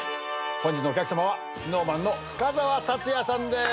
本日のお客さまはＳｎｏｗＭａｎの深澤辰哉さんです。